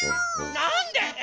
なんでえ？